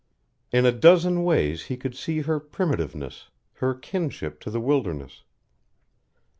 In a dozen ways he could see her primitiveness, her kinship to the wilderness.